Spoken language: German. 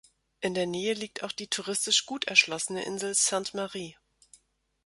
In der Nähe liegt auch die touristisch gut erschlossene Insel Sainte Marie.